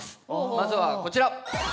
まずはこちら。